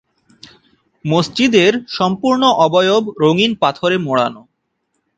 মসজিদের সম্পূর্ণ অবয়ব রঙিন পাথরে মোড়ানো।